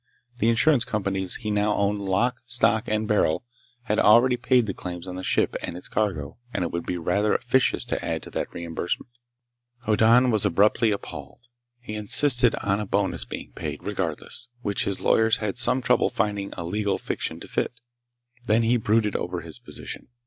The insurance companies he now owned lock, stock, and barrel had already paid the claims on the ship and its cargo, and it would be rather officious to add to that reimbursement. Hoddan was abruptly appalled. He insisted on a bonus being paid, regardless, which his lawyers had some trouble finding a legal fiction to fit. Then he brooded over his position.